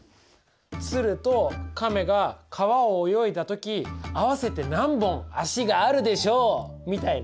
鶴と亀が川を泳いだ時合わせて何本足があるでしょうみたいな。